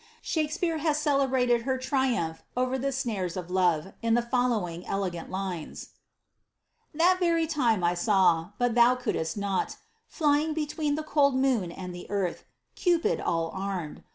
Shakspeare has celebrated her triumph over the love in the following elegant lines :— That very time I saw (but thoa cooldst not), Flying between the cold moon and the eardi, Cupid, all armed